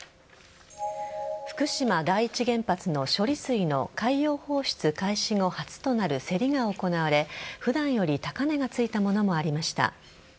福島第一原発の処理水の海洋放出開始後初となる競りが行われ普段より高値がついたものもありました。